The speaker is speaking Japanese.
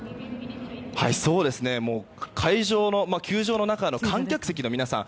球場の中の観客席の皆さん